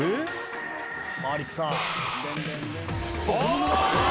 マリックさん